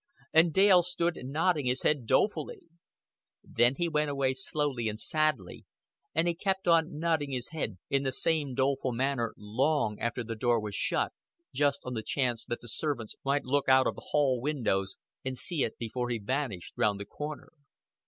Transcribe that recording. And Dale stood nodding his head dolefully. Then he went away slowly and sadly, and he kept on nodding his head in the same doleful manner long after the door was shut just on the chance that the servants might look out of the hail windows and see it before he vanished round the corner.